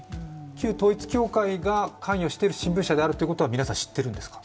旧統一教会が関与している新聞社であるということは皆さん知ってるんですか。